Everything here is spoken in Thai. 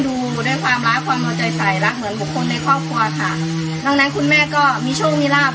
ดูได้ความรับความนังใจใสดังเหมือนบุคคลค่ะข้างหน้างั้นคุณแม่ก็มีโชคมิราบ